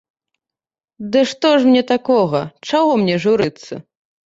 Ды што ж мне такога, чаго мне журыцца?